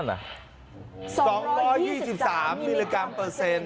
๒๒๓มิลลิกรัมเปอร์เซ็นต์